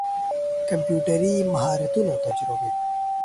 کمپيوټري مهارتونه او تجربې